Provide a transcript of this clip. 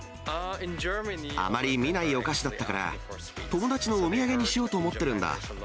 あまり見ないお菓子だったから、友達のお土産にしようと思ってるんだ。